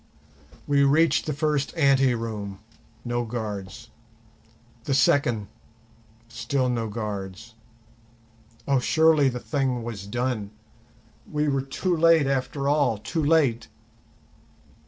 We reached the first ante room—no guards; the second, still no guards. Oh, surely the thing was done! we were too late after all, too late!